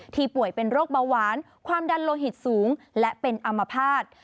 ป่วยเป็นโรคเบาหวานความดันโลหิตสูงและเป็นอามภาษณ์